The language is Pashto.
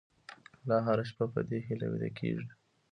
ملا هره شپه په دې هیله ویده کېږي.